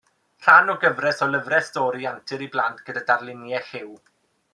Rhan o gyfres o lyfrau stori antur i blant gyda darluniau lliw.